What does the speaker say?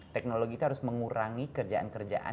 teknologi itu harus mengurangi kerjaan kerjaan